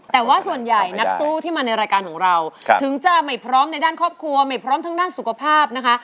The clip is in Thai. แต่ว่าส่วนใหญ่นักสู้ที่มาในรายการของเราถึงจะไม่พร้อมในด้านครอบครัวไม่พร้อมทั้งด้านสุขภาพนะคะ